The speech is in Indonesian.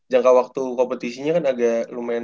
jangka waktu kompetisinya kan agak lumayan